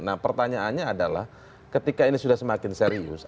nah pertanyaannya adalah ketika ini sudah semakin serius